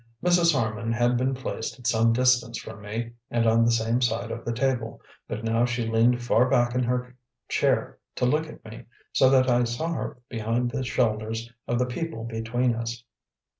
Mrs. Harman had been placed at some distance from me and on the same side of the table, but now she leaned far back in her chair to look at me, so that I saw her behind the shoulders of the people between us.